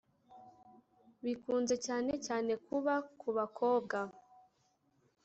bikunze cyane cyane kuba kubakobwa